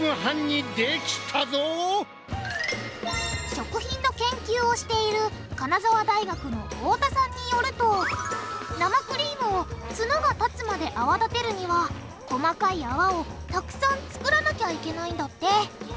食品の研究をしている金沢大学の太田さんによると生クリームをツノが立つまで泡立てるには細かい泡をたくさん作らなきゃいけないんだって。